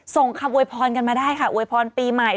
ส่งคำโวยพรกันมาได้ค่ะอวยพรปีใหม่